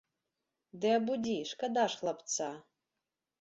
Ды абудзі, шкада ж хлапца.